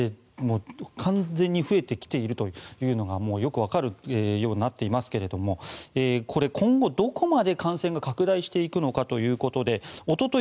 完全に増えてきているのがよくわかるようになっていますがこれ、今後どこまで感染が拡大していくのかということでおととい